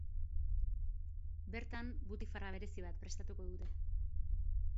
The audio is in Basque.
Bertan, butifarra berezi bat prestatuko dute.